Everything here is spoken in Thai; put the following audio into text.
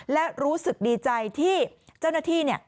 และรู้สึกดีใจที่เจ้าหน้าที่